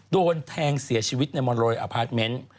โดนแทงเสียชีวิตในมอนโรยอพาร์ทเมนต์